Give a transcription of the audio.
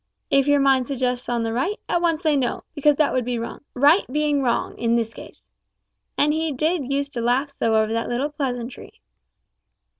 If your mind suggests on the right, at once say No because that would be wrong right being wrong in this case,' and he did use to laugh so over that little pleasantry."